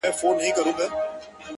يې ه ځكه مو په شعر كي ښكلاگاني دي ـ